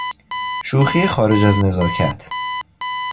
شوخی خارج از نزاکت